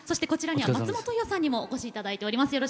こちらには松本伊代さんにもお越しいただいています。